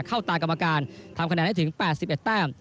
ตากรรมการทำคะแนนได้ถึง๘๑แต้ม